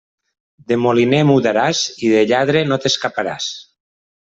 De moliner mudaràs i de lladre no t'escaparàs.